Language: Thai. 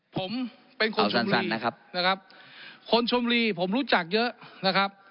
ผมเป็นคนชมบุรีนะครับนะครับคนชมรีผมรู้จักเยอะนะครับ